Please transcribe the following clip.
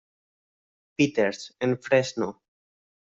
Peters, en Fresno